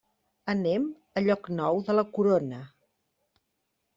Anem a Llocnou de la Corona.